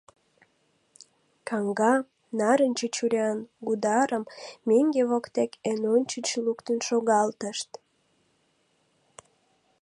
Каҥга, нарынче чуриян Гударым меҥге воктек эн ончыч луктын шогалтышт.